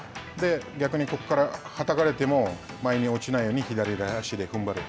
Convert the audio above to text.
逆にここから、はたかれても前に落ちないように左足でふんばれる。